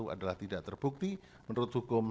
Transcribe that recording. adalah tidak terbukti menurut hukum